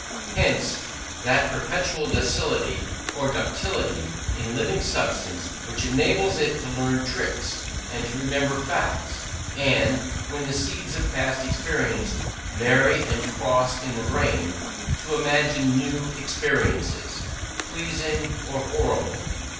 Hence that perpetual docility or ductility in living substance which enables it to learn tricks, to remember facts, and (when the seeds of past experiences marry and cross in the brain) to imagine new experiences, pleasing or horrible.